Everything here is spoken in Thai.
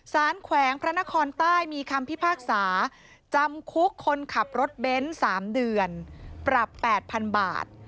แขวงพระนครใต้มีคำพิพากษาจำคุกคนขับรถเบนท์๓เดือนปรับ๘๐๐๐บาท